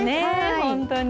本当に。